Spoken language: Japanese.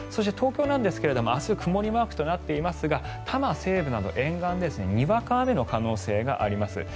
東京は明日曇りマークとなっていますが多摩西部など沿岸でにわか雨の可能性があります。